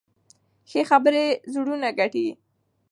ښې خبرې زړونه ګټي.